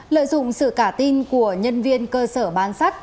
lợi dụng sự cả tin của nhân viên cơ sở bán sắt